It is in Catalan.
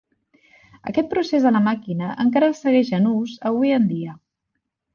Aquest procés de la màquina encara segueix en ús avui en dia.